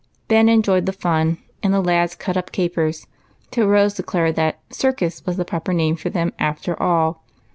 Ben enjoyed the fun, and the lads cut up capers till Rose declared that " circus " was the proper name for them after all.